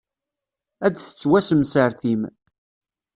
Ad tettwassemsertim.